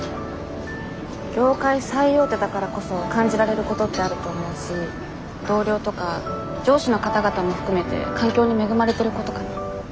業界最大手だからこそ感じられることってあると思うし同僚とか上司の方々も含めて環境に恵まれてることかな。